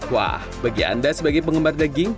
wah bagi anda sebagai penggemar daging